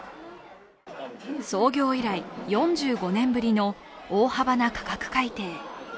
創業以来４５年ぶりの大幅な価格改定。